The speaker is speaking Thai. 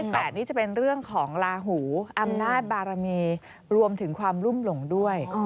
แต่นี่จะเป็นเรื่องของลาหูอำนาจบารมีรวมถึงความรุ่มหลงด้วย